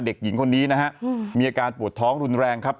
เด็กหญิงคนนี้นะฮะมีอาการปวดท้องรุนแรงครับ